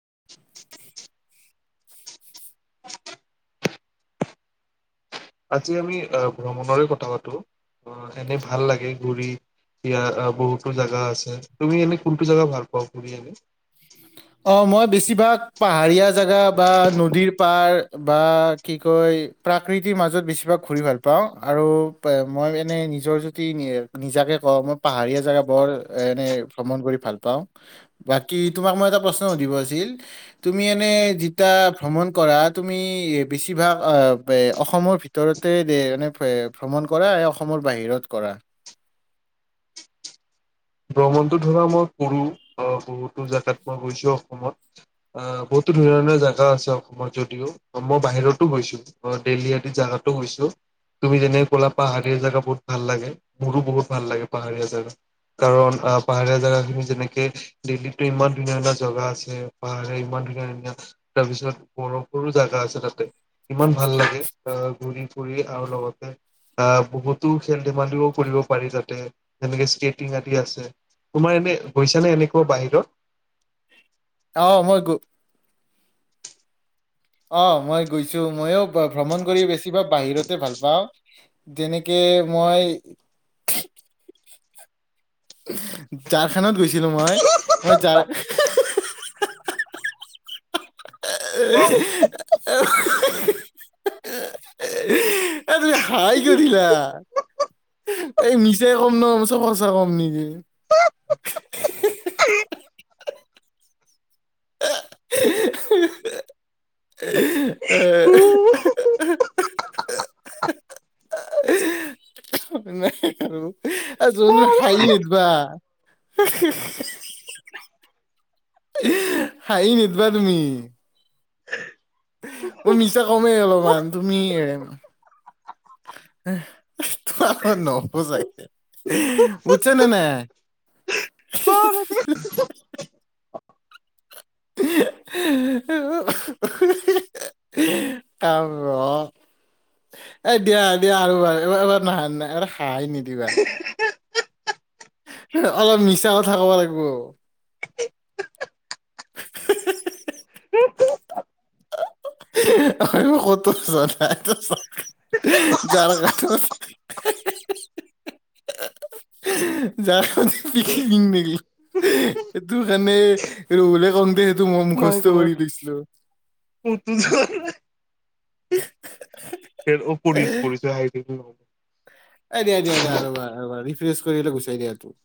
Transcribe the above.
[inaudible] উম আজি আমি ভ্ৰমণৰে কথা পাতো অ এনে ভাল লাগে ঘুৰি ইয় বহুতো জেগা আছে তুমি এনে কোনটো জেগা ভালপাওঁ ঘুৰি এনে। অ মই বেছিভাগ পাহাৰীয়া জেগা বা নদীৰ পাৰ বা কি কয় প্ৰাকৃতিৰ মাজত বেছিভাগ ঘূৰি ভাল পাওঁ আৰু মই মনে নিজৰ যদি নিজাকে কওঁ মই পাহাৰীয়া জেগা বৰ এনে ভ্ৰমণ কৰি ভাল পাওঁ বা কি তোমাক মই এটা প্ৰশ্ন সুধিব আছিল তুমি এনে যেইতা ভ্ৰমণ কৰা তুমি বেছিভাগ অসমৰ ভিতৰতে দে এ ভ্ৰমণ কৰা অসমৰ বাহিৰত কৰা? ভ্ৰমণটো ধৰা মই কৰো বহুতো জোগাত মই গৈছো অসমত বহুতো ধুনীয়া ধুনীয়া জেগা আছে অসমত যদিও মই বাহিৰতো গৈছো দেলহি আদি জেগাতো গৈছো তুমি যেনেক কোলা পাহাৰীয়া জেগা বহুত ভাল লাগে মোৰো বহুত ভাল লাগে পাহাৰীয়া জেগা কাৰণ। অ পাহাৰীয়া জেগাখিনি যেনেকে দিল্লীটো ইমান ধুনীয়া ধুনীয়া জেগা আছে পাহাৰীয়া ইমান ধুনীয়া ধুনীয়া তাৰপিছত বৰফৰো জেগা আছে তাতে। ইমান ভাল লাগে অ। ঘুৰি ফুৰি আৰু লগতে আহ বহুতো খেল ধেমালিও কৰিব পাৰি তাতে যেনেকে স্কেটিং আদি আছে। তোমাৰ এনে গৈছানে এনেকুৱা বাহিৰত। আহ মই গ। অ মই গৈছো ময়ো ভ্ৰমণ কৰি বেছিভাগ বাহিৰতে ভাল পাওঁ যেনেকে মই ঝাৰখানডত গৈছিলো মই মই যঝাৰ। অ। [inaudible] [unintelligible] এ তুমি হাই কিয় দিলা? এই মিচাই কম ন চব সচা কম নেকি। আহ। [inaudible] আ যোন বাহিৰত হাঁহি নেদবা। হাঁহি নিদিবা তুমি। মই মিছা কমেই অলপমান তুমি এ তোমাৰ লগত নহব চাগে বুজছ নে নাই। খাব এ দিয়া দিয়া আৰু বাৰবাৰ এবাৰ নহান নাই এবাৰ খাই নিদিবা। অলপ মিছাও থাকব লাগিব হিহিহিহি আ কত চ জাৰা ক। যাৰ দেখ নেকিল এইটোৰ কাৰণে ৰহুলে কওঁতে। এটো মই মাই মুখস্ত গড কৰি দিছিলো। [inaudible] সৰ প পৰিছে। এ দিয়া দিয়া আৰু এবাৰ আৰু এবাৰ। ৰিফ্ৰজ কৰিলে গুচাই দিয়াতটো।